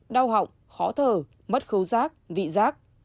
đau họng khó thở mất khấu giác vị giác